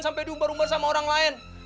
sampe diumbar umbar sama orang lain